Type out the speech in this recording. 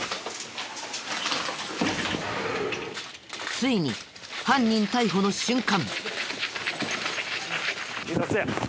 ついに犯人逮捕の瞬間。